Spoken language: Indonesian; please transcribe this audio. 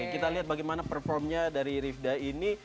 kita lihat bagaimana performnya dari rivda ini